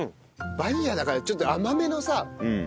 バニラだからちょっと甘めのさ。